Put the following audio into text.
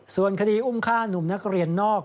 ส่วนคดีอุ้มฆ่านุ่มนักเรียนนอก